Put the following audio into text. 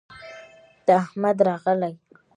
د احمد راغى